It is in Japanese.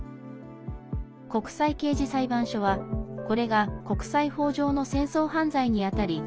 国際刑事裁判所は、これが国際法上の戦争犯罪にあたり